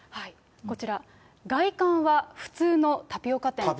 こちら、外観は普通のタピオカ店。